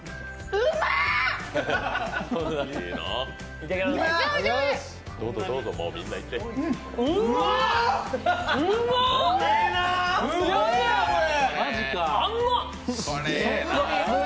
うまーっ！